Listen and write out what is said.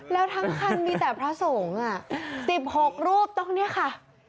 แล้วทางคันมีแต่พระสงฆ์สิบหกรูปตรงนี้ค่ะ